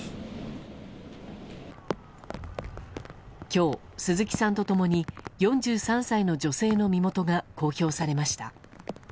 今日、鈴木さんと共に４３歳の女性の身元が公表されました。